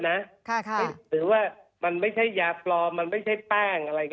หรือว่ามันไม่ใช่ยาปลอมมันไม่ใช่แป้ง